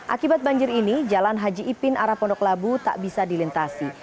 akibat banjir ini jalan haji ipin arah pondok labu tak bisa dilintasi